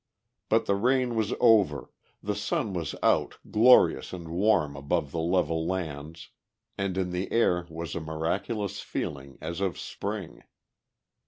But the rain was over, the sun was out glorious and warm above the level lands and in the air was a miraculous feeling as of spring.